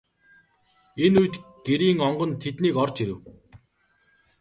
Энэ үед Гэрийн онгон тэднийд орж ирэв.